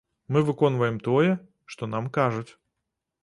Мы выконваем тое, што нам кажуць.